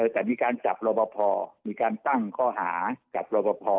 แต่มีการจับรอบพอมีการตั้งข้อหากับรอบพอ